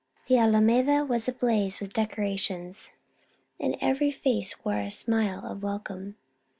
The Alameda was ablaze with decorations, and every face wore a smile of welcome.